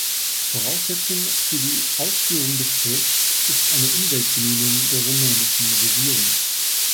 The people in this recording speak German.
Voraussetzung für die Ausführung des Projekts ist eine Umweltgenehmigung der rumänischen Regierung.